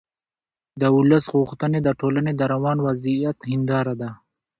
د ولس غوښتنې د ټولنې د روان وضعیت هنداره ده